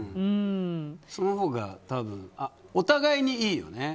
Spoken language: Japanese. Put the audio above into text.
そのほうが多分お互いにいいよね。